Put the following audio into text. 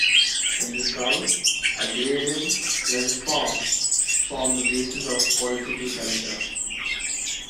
In the South, agrarian laissez-faire formed the basis of political culture.